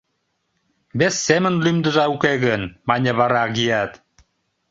Вес семын лӱмдыза уке гын! — мане вара Агият.